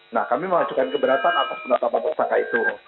nah kami mengajukan keberatan atas penetapan tersangka itu